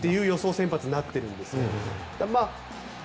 先発になってるんです。